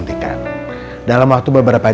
kita perubah kita